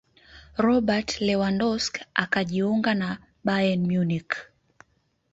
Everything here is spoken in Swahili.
robert lewandowsk akajiunga na bayern munich